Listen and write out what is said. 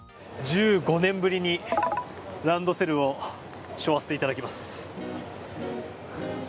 １５年ぶりにランドセルを背負わせていただきます。